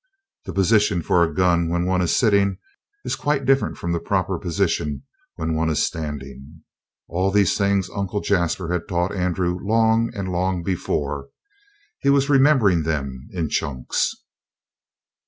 The position for a gun when one is sitting is quite different from the proper position when one is standing. All these things Uncle Jasper had taught Andrew long and long before. He was remembering them in chunks.